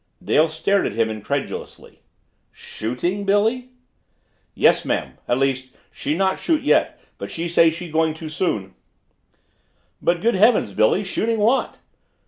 Dale stared at him incredulously. "Shooting, Billy?" "Yes, ma'am. At least she not shoot yet but she say she going to soon." "But, good heavens, Billy shooting what?"